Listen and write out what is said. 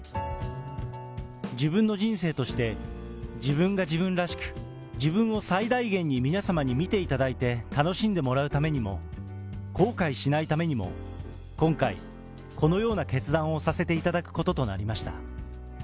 自分の人生として、自分が自分らしく、自分を最大限に皆様に見ていただいて楽しんでもらうためにも、後悔しないためにも、今回、このような決断をさせていただくこととなりました。